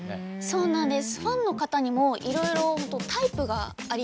そうなんです。